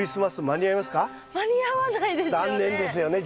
間に合わないですよね。